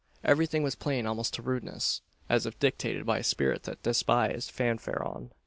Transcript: Everything was plain almost to rudeness: as if dictated by a spirit that despised "fanfaron."